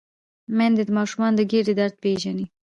میندې د ماشوم د ګیډې درد پېژني۔